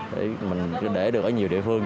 để mình để được ở nhiều địa phương